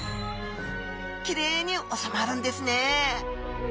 きれいにおさまるんですね。